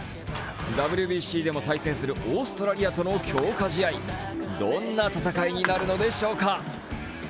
ＷＢＣでも対戦するオーストラリアとの強化試合、どんな戦いになるのでしょうか。